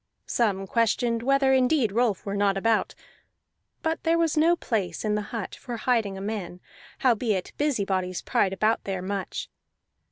Some questioned whether indeed Rolf were not about; but there was no place in the hut for hiding a man, howbeit busybodies pried about there much.